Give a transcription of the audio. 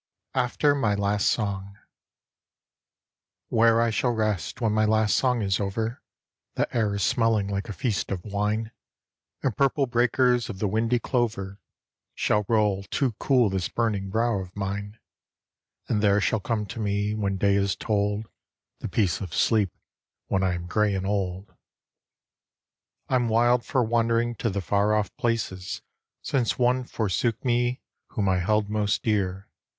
AFTER MY LAST SONG Where I shall rest when my last song is over The air is smelling like a feast of wine; And purple breakers of the windy clover Shall roll to cool this burning brow of mine ; And there shall come to me, when day is told The peace of sleep when I am grey and old. I'm wild for wandering to the far off places Since one forsook me whom I held most dear.